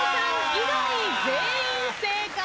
以外全員正解です。